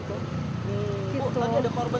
tadi ada korban